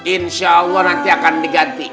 insya allah nanti akan diganti